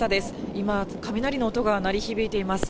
今、雷の音が鳴り響いています。